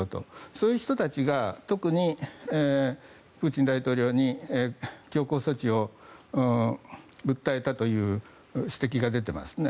そういう人たちが特にプーチン大統領に強硬措置を訴えたという指摘が出ていますね。